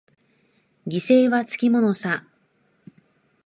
犠牲はつきものさ。